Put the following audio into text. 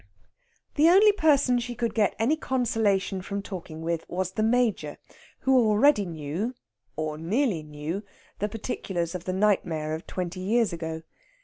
The only person she could get any consolation from talking with was the Major, who already knew, or nearly knew, the particulars of the nightmare of twenty years ago.